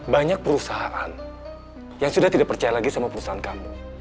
banyak perusahaan yang sudah tidak percaya lagi sama perusahaan kamu